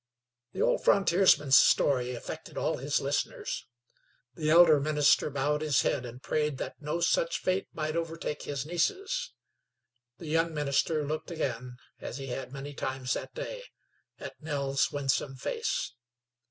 The old frontiersman's story affected all his listeners. The elder minister bowed his head and prayed that no such fate might overtake his nieces. The young minister looked again, as he had many times that day, at Nell's winsome face.